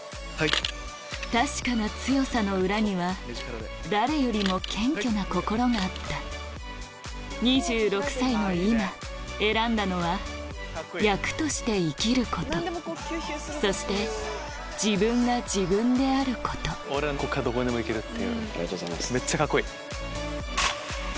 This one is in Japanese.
確かな強さの裏には誰よりも謙虚な心があった２６歳の今選んだのは役として生きることそして自分が自分であること俺はどこにでも行けるっていうめっちゃカッコいい！